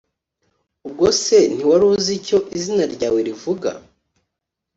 Ubwo se ntiwari uzi icyo izina ryawe rivuga?